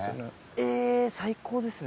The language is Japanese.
えぇ最高ですね。